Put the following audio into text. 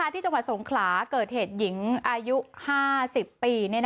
ที่จังหวัดสงขลาเกิดเหตุหญิงอายุ๕๐ปี